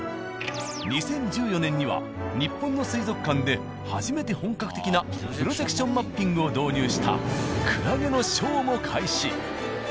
２０１４年には日本の水族館で初めて本格的なプロジェクションマッピングを導入したクラゲのショーも開始。